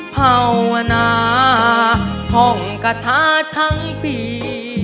ภาวนาท่องกระทะทั้งปี